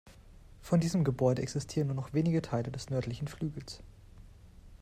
Von diesem Gebäude existieren nur noch wenige Teile des nördlichen Flügels.